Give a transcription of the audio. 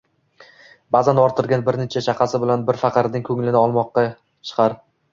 Ba'zan orttirgan bir necha chaqasi bilan bir faqirning ko'nglini olmoqqa chiqar